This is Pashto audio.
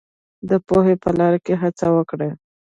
د پوهې په لار کې هڅه وکړئ.